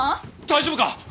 大丈夫か？